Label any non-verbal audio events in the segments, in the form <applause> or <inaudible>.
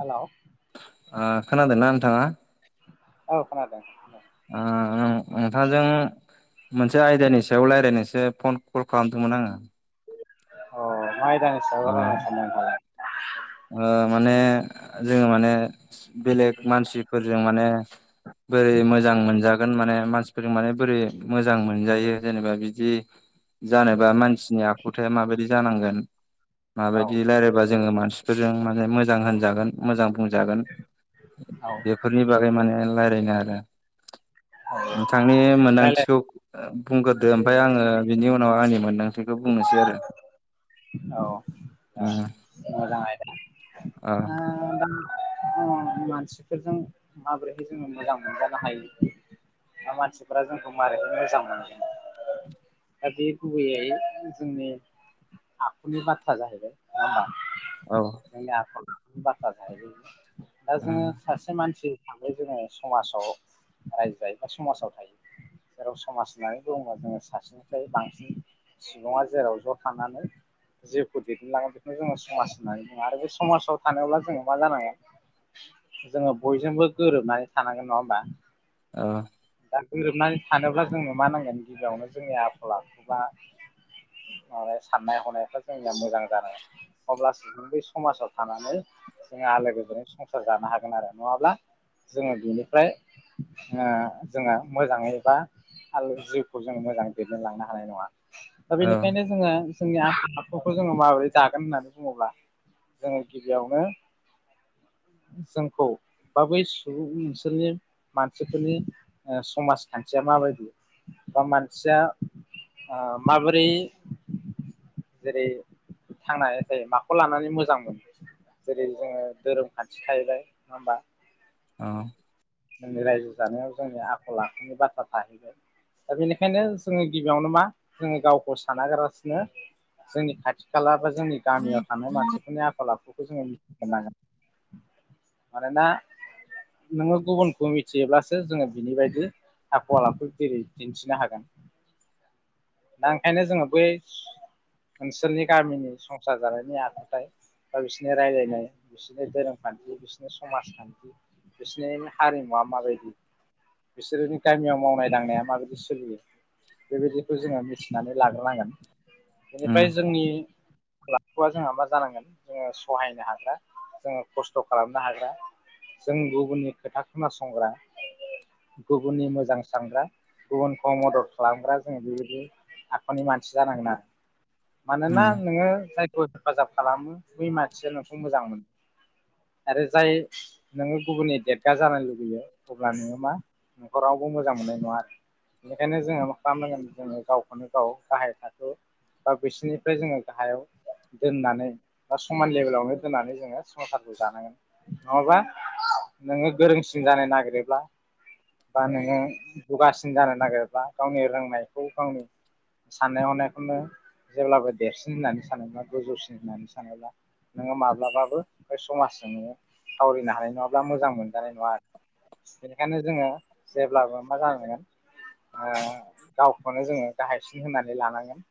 Hello ओ खोनादोंना नोंथाङा? औ खोनादों। ओ नोंथांजों मोनसे आयदानि सायाव लायरायनोसो फन कल खालामदोंमोन आंङो। अ मा आयदानि सायाव ओ रायलायनो सानदों नोंथाङालाय? ओ माने जोङो माने बेलेग मानसिफोरजों माने बोरै मोजां मोनजागोन माने मानसिफोरजों माने बोरै मोजां मोनजायो जेनेबा बिदि जानोबा मानसिनि आखुथाया माबायदि जानांगोन? औ माबायदि रायज्लायबा जोङो मानसिफोरजों माने मोजां होनजागोन मोजां बुं जागोन ए औ बेफोरनि बागै माने लायरायनो आरो औ नोंथांनि मोनदांथिखौ रायलाय ओ बुंग्रोदो ओमफाय आङो बिनि उन उनाव आंनि मोनदांथिखौ बुंनोसै आरो औ ओ उम मोजां आइदा‌ औ नोंथाङा दा अ मानसिफोरजों माबोरैहाय जोङो मोजां मोनजानो हायो? दा मानसिफोरा जोंखौ मारैखो मोजां मोनगोन? <unintelligible> दा बे गुबैयै जोंनि आखुनि बाथ्रा जाहैबाय औ नङा होनबा जोंना आखल आखुनि बाथ्रा जाहैबाय। दा जोङो उम सासे मानसि हिसाबै जोङो समाजाव रायजो जायो बा समाजाव थायो। जेराव समाज होननानै बुङोबा जोङो सासेनिफ्राय बांसिन सुबुङा जेराव ज' थानानै जेखौ दैदेनलाङो बेखौ जोङो समाज होननानै बुङो आरो बे समाजाव थानोब्ला जोङो मा जानो हायो? जोङो बयजोंबो गोरोबनानै थानांगोन नङा होमबा? अ दा गोरोबनानै थानोब्ला जोंनो मा नांगोन गिबियावनो जोंनि आखल आखु बा माबाय साननाय ह हनायखो जोंनिया मोजां जानांगोन अब्लासो बै समाजाव थानानै जों आलो गोजोनै सं सार जानो हागोन आरो नङाब्ला जोङो बिनिफ्राय ङो जोङो मोजाङै बा आलो जिउखौ जों मोजां दैदेनलांनो हानाय नङा दा औ बेनिखायनो जोङो जोंनि आखल आखुखौ जोङो माबोरै जागोन होननानै बुङोब्ला जोङो गिबियावनो जोंखौ बा बै सुबुं ओनसोलनि मानसिफोरनि ओ समाज खान्थिया माबायदि बा मानसिया ओ माबोरै जेरै थांनानै थायो माखौ लानानै मोजां मोनो? जेरै जोङो धोरोम खान्थि थाहैबाय नङा होमबा? अ जोंनि रायजो जानायाव जोंनि आखल आखुनि बाथ्रा थाहैबाय। दा बेनिखायनो जोङो गिबियावनो मा जोङो गावखौ सानागारासिनो जोंनि खाथि खाला बा जोंनि उम गामियाव थानाय मानसिफोरनि आखल आखुखौ जोङो मिथ ग्रोनांगो मानोना नोङो गुबुनखौ मिथियोब्लासो जोङो बिनि बायदि आखल आखु जेरै दिन्थिनो हागोन। दा ओंखायनो जोङो बैस ओनसोलनि गामिनि संसार जानायनि आखुथाय बा बिसोरनि रायलायनाय बिसोरनि धोरोम खान्थि बिसोरनि समाजखान्थि बिसनि मा हारिमुवा माबायदि बिसोरोनि गामियाव मावनाय दांनाया माबायदि सोलियो बेबायदिखौ जोङो मिथिनानै लाग्रोनांगोन उम बेनिफ्राय जोंनि लाथ'वा जोंहा मा जानांगोन जोङो सहायनो हाग्रा जोङो खस्थ' खालामनो हाग्रा जों गुबुननि खोथा खोनासंग्रा गुबुननि मोजां सानग्रा गुबुनखौ मदद खालामग्रा जोङो बेबायदि आखुनि मानसि जानांगोन आरो मानोना उम नोङो जायखौ हेफाजाब खालामो बै मानसिया नोंखौ मोजां मोनो। आरो जाय नोङो गुबुननि देरगा जानानै लुब लुगैयो अब्ला नोङो मा न'खरावबो मोजां मोननाय नङा आरो बेनिखायनो जोङो मा खालामनांगोन जोङो गावखौनो गाव गाहाय थाखो बा बिसोरनिफ्राय जोङो गाहायाव दोननानै बा समान लेभेलावनो दोननानै जोङो संसारखौ जानांगोन नङाबा नोङो गोरोंसिन जानो नागिरोब्ला बा नोङो दुगासिन जानो नागिरबा गावनि रोंनायखौ गावनि साननाय हनायखौनो जेब्लाबो देरसिन होननानै सानोब्ला गोजौसिन होननानै सानोब्ला नोङो माब्लाबाबो बे समाजजों नोङो सावरायनो हानाय नङाब्ला मोजां मोनजानाय नङा आरो बेनिखायनो जोङो जेब्लाबो मा जानांगोन? ओ गावखौनो जोङो गाहायसिन होनानै लानांगोन।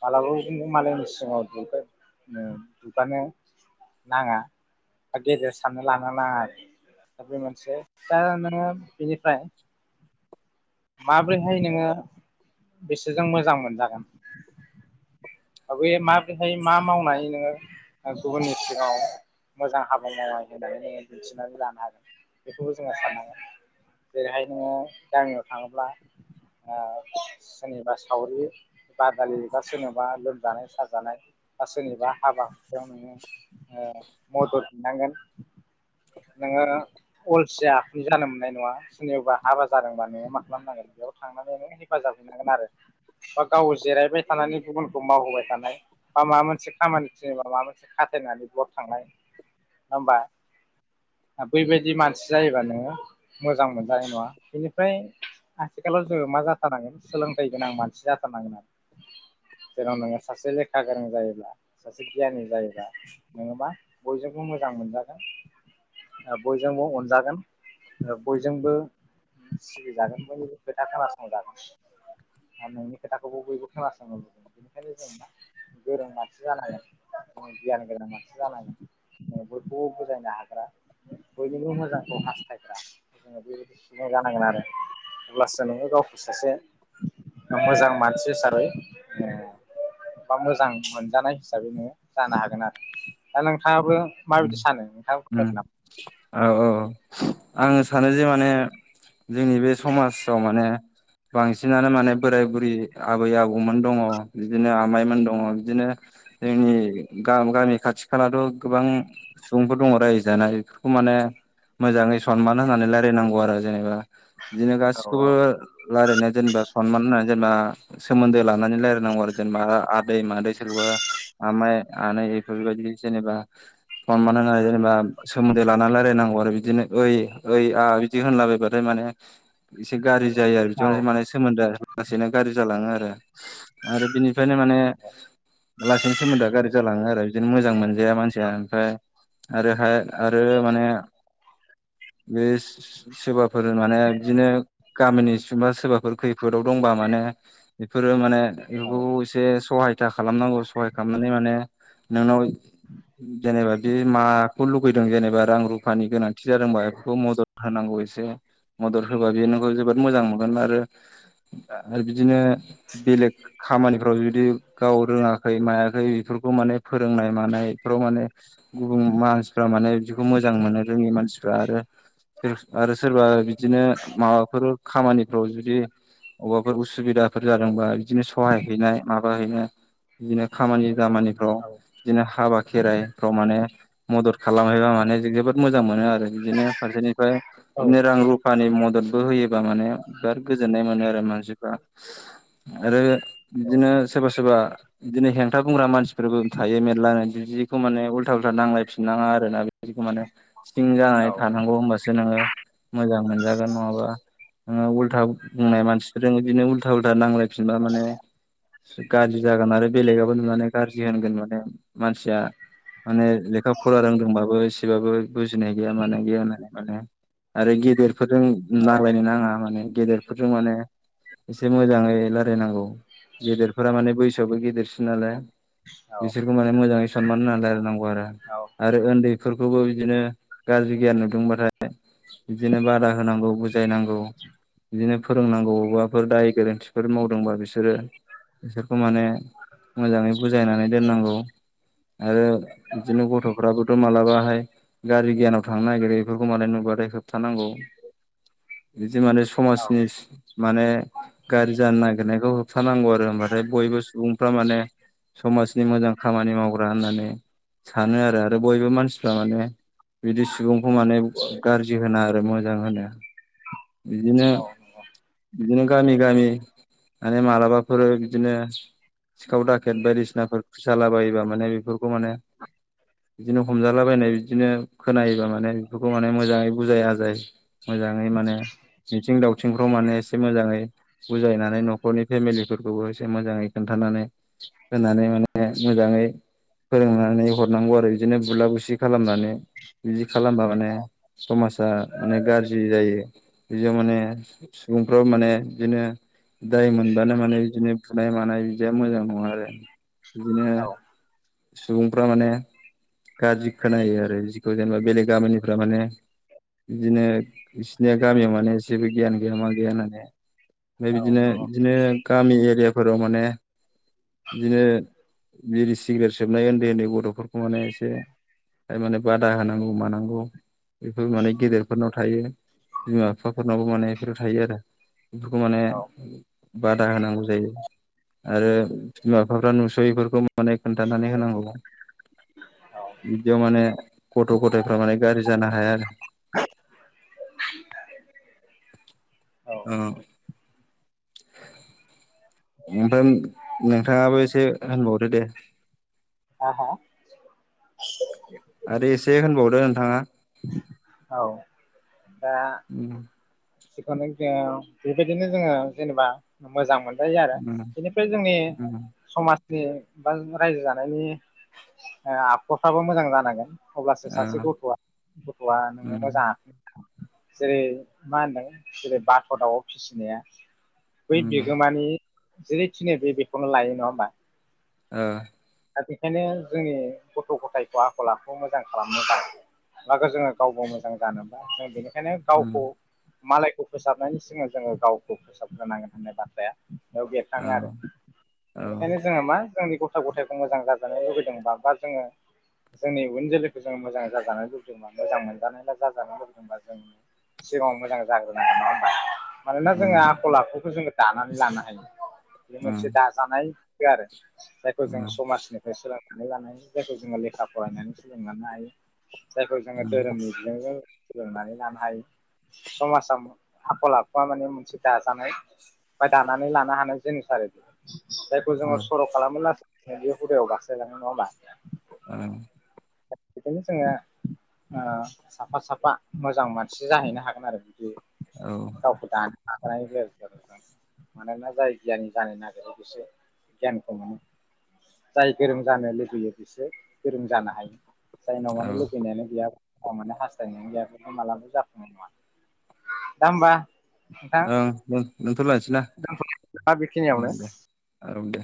मालाबा मालायनि सिगाङाव दुग दुगानो नाङा बा गदेर साननो लानो नाङा आरो द बे मोनसे दा नोङो बेनिफ्राय माब्रैहाय नोङो बिसोरजों मोजां मोनजागोन। बे माबोरैहाय मा मावनाय नोङो गुबुननि सिङाव मोजां हाबा मावांग होननानैङ दिन्थिनानै लानो हागोन बेखौबो जोङो साननांगोन। जेरैहाय नोङो गामियाव थाङोब्ला सोरनिबा सावरि बादालि बा सोरनिबा लोमजानाय साजानाय ब सोरनिबा हाबा हुखायाव नोङो मदद नांगोन नों आर' अलसिया आखुनि जानो मोननाय नङा सोरनियावबा हाबा जादोंबा नोङो मा खालामनांगोन बेयाव थांनानै नों हेफाज आरो बा गाव जिरायबाय थानानै गुबुनखौ मावहोबाय थानाय बा माबा मोनसे खामानि <unintelligible> नङा ओमबा बै बायद जि मानसि जायोबा नोङो मोजां मोनजानाय नङा बेनिफ्राय आथिखालाव जोङो मा जाथारनांगोन? सोलोंथाइ गोनां मानसि जाथारनांगोन आरो जेन' नोङो सासे लेखा गोरों जायोब्ला सासे गियानि जायोब्ला नोङोबा बयजोंबो बुं मोजां मोनजागोन बयजोंबो अनजागोन बयजोंबो सिगि जागोन बा नोंनि खोथा खोनासं जागोन। आरो नोंनि खोथाखौबो बयबो खोनासंगोन बेनिखायनो जों मा? गोरों मानसि जानांगोन गियान गोरों मानसि जानांगोन। ओ बयखौबो बुजायनो हाग्रा। बयनिबो मोजांखौ हास्थायग्रा जोङो बेबायदि सुबुं जानांगोन आरो अब्लासो नोङो गावखौ सासे मोजां मानसि हिसाबै ओ बा मोजां मोनजानाय हिसाबै नोङो जानो हागोन आरो दा नों थाङाबो माबायदि सानो नोंथाङा बुंगोन उम नामा? औ औ आङो सानो जे माने। जोंनि बे समाजाव माने बांसिनानो माने बोराय बुरि आबै आबौमोन दङ बिदिनो आमाइमोन दङ बिदिनो। जोंनि गामि खाथि खालाथ' गोबां सुबुंफोर दङ रायजो जानाय बेफोरखौ माने मोजाङै सनमान होनानै रायजलायनांगौ आरो जेनेबा बिदिनो औ गासिखौबो रायलायनाया जेनेबा सनमान होनाय। जेनेबा सोमोन्दो लानानै रायलायनांगौ आरो जेनेबा आदै मादै सोरखोबा आमाइ आनै बेफोरबायदि जेनेबा सनमान होननाय जेनबा सोमोन्दै लानानै रायलायनांगौ आरो बिदिनो ओइ ओइ आ बिदि होनलाबायबाथाय मा माने एसे गाज्रि जायो आरो औ बिदियावनो माने सोमोन्दो लासैनो गाज्रि जालाङो आरो आरो बिनि ओंखायनो माने लासैनि सोमोन्दोआ गारजि जालाङो आरो बिदिनो मोजां मोनजाया मानसिया। ओ आरोहाय आरो माने बे सोरबाफोर माने बिदिनो गामिनि सुबुंबा सोरबाफोर खैफोदाव दंबा माने बेफोरो माने औ बेफोरखौ एसे सहायथा खालामनांगौ सहाय खालामनानै माने नोंनाव जेनेबा बे माखौ लुगैदों जेनेबा रां रुफानि गोनांथि। जादोंबा बेखौ मदद होनांगौ एसे मदद होबा बेयो नोंखौ जोबोद मोजां मोनगोन आरो। आरो बिदिनो बेलेग खामानिफ्राव जुदि गाव रोङाखै मायाखै बेफोरखौ माने फोरोंनाय मानायफ्राव माने गुबुन मानसिफ्रा माने बिदिखौ मोजां मोनो रोङि मानसिफ्रा आरो। आरो सोरबा बिदिनो माबाफोर खामानिफ्राव जुदि अबेबाफोर उसुबिदाफोर जादोंबा बिदिनो सहाय हैनाय माबा। हैनो बिदिनो खामानि दामानिफ्राव औ बिदिनो हाबा खेराइ। मदद खालामहैबा माने जोबोद मो। जां मोनो आरो बिदिनो फारसेनिफ्राय औ बिदिनो रां रुफानि मददबो होयोबा माने बिराद गोजोननाय मोनो आरो। आरो मानसिफ्रा आरो बिदिनो सोरबा सोरबा। बिदिनो हेंथा बुंग्रा मानसिफोरबो थायो मेरला बिदि। खौ माने उल्था उल्था नांलायफिननाङा आरोना बिदिखौ माने सिं औ जानानै औ थानांगौ होनबासो नोङो। मोजां मोनजागोन नङाबा नोङो उल्था बुंनाय मानसिफोरजों बिदिनो उल्था उल्था नांलाय। फिनबा माने। गाज्रि जागोन आरो बेलेगआबो नुनानै गाज्रि होनगोन माने मानसिया। माने लेखा फरा रोंदोंबाबो एसेबाबो बुजिनाय गैया मानाय गैया होननानै। माने आरो गेदेरफोरजों नांज्लायनो नाङा माने गेदेरफोरजों माने। एसे मोजाङै रायलायनांगौ गेदेरफोरा माने बैसोआवबो गेदेरसिन नालाय। बिसोरखौ माने मोजाङै सनमान होनलायनांगौ आरो आरो उन्दै। फोरफोरखौबो बिदिनो गाज्रि गियान नुदोंबाथाय। बिदिनो बादा होनांगौ बुजायनांगौ। बिदिनो फोरोंनांगौ अबाफोर दाय गोरोन्थिफोर मावदोंबा बिसोर। सोरो बिसोरखौ माने मोजाङै बुजायनानै दोननांगौ। आरो बिदिनो गथ'फ्राबोथ' मालाबाहाय। गाज्रि गियानाव थांनो नागिरो बेफोरखौ माने नुबाथाय होबथानांगौ। दि माने समाजनि माने। गाज्रि जानो नागिरनायखौ होबथानांगौ आरो होमबाथाय बयबो सुबुं। बामाने समनि मोजां खामानि मावग्रा। होननानै सानो आरो आरो बयबो मानसिफ्रा माने। बिदि सुबुंखौ माने गाज्रि होना आरो मोजां होनो। बिदिनो बिदिनो गामि गामि। माने मालाबाफोर बिदिनो सिखाव दाखेद बायदिसिनाफोर खुसाला बायोबा माने बेफोरखौ। बो मोनो बिदिनो हमजालाबायनाय बिदिनो खोनायोबा माने बेफोरखौ माने मोजाङै बुजाय आजाय मोजाङै माने मिथिं दावथिंफ्राव माने एसे मोजाङै बुजायनानै न'खरनि फेमिलिफोरखौबो एसे मोजाङै खोन्थानानै होनानै माने मोजाङै फोरोंनानै हरनांगौ आरो बिदिनो बुला बुसि खालामनानै बिदि खालामबा माने औ समाजा माने गाज्रि जायो बिदि माने सुबुंफ्राव माने बिदिनो दाय मोनबानो माने बिदिनो बुनाय मानाय बिदिया मोजां नङा आरो बिदिनो औ सुबुंफ्रा माने गाज्रि खोनायो आरो जिखौ जेनेबा बेलेग गामिनिफ्रा माने बिदिनो बिसिनिया गामियाव माने एसेबो गियान गैया मा गैया होननानै ओमफ्राय औ बिदिनो नंगौ बिदिनो गामि एरिया फोराव माने बिदिनो बिरि सिग्रेट सोबनाय उन्दै उन्दै गथ'फोरखौ माने एसे माने बादा होनांगौ मानांगौ बेफोर माने गेदेरफोरनाव थायो बिमा बिफाफोरनावबो माने बेफोरो थायो आरो खौ माने औ बादा होनांगौ जायो आरो बिमा बिफाफ्रा नुसयिफोरखौ माने खोन्थानानै होनांगौ औ बिदियाव माने गथ' गथायाइफ्रा माने गारजि जानो हाया आरो <inaudible> <unintelligible> औ ओ ओमफ्राय नोंथाङाबो एसे होनबावदो दे हा हा आरो एसे होनबावदो नोंथाङा औ दा उम <unintelligible> बेबायदिनो जोङो जेनेबा मोजां मोन <unintelligible> उम बेनिफ्राय जोंनि उम समाज बा रायजो जानायनि आखुफ्राबो मोजां जानांगोन अब्लासो ओ सासे गथ'आ गथ'आ नोङो उम मोजां जेरै मा होनदों जेरै बाथ' दाउआव फिसिनाया बै उम ओ बिगोमानि जेरै थिनो बे बेखौनो लायो नङा होमबा? ओ दा बेखायनो जोंनि गथ' गथायखौ आखल आखु मोजां खालामनो थाखाय बा जोङो गावबो मोजां जानोबा जों बेनो ओंखायनो उम गावखौ मालायखौ फोसाबनायनि सिगां जोङो गावखौ फोसाबग्रोनांगोन होननाय बाथ्राया बेयाव औ बेरखाङो आरो औ बेनिखायनो जोङो मा जोंनि गथ' गथाय मोजां जाजानो लुबैदोंबा बा जोङो जोंनि उन जोलैखौ जों मोजाङै जाजानो लुबैदोंबा मोजां मोनजानायल जाजानो लुबैदोंबा जों सिगाङाव मोजां जाग्रोनांगौ नङा होमबा? मानोना उम उम जोङो आखल आखुखौ जोङो दानानै लानो हायो बे मोनसे दाजानाय आरो जायखौ जों उम समाजनिफ्राय सोलोंनानै लानायनि जायखौ जोङो लेखा फरायनानै सोलोंना लानो हायो जायखौ जोङो उम धोरोमनि बिजोंजों सोलोंनानै लानो हायो। समाजाव आखल आखुआ माने मोनसे दाजानाय बा दानानै लानो हानाय जिनिस <unintelligible> <unintelligible> जायखौ जोङो उम सर' खालामो नाथाय बेयो हुदायाव गास्लायलाङो नङा होमबा? ओम एखायनो जोङो ओ साफा साफा मोजां मानसि जाहैनो हागोन आरो बिदि औ गावखौ दानो हानाय जायो आरो मानोना जाय गियानि जानो नागिरो बेसो गियानखौ मोनो। जाय गोरों जानो लुुबैयो बिसोर गोरों जानो हायो जायनाव औ माने लुबैनायानो गैया अ' मोननो हास्थायनायानो गैयाबा मालाबो जाफुंनाय नङा दा होमबा नोंथां ओंं दोन-दोनथ'लायनोसै ना दा ओं बेखिनियावनो दे ओं दे।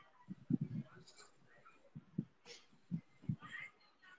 <unintelligible>